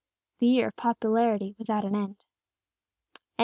The year of popularity was at an end.